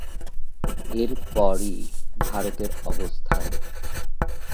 এর পরই ভারতের অবস্থান।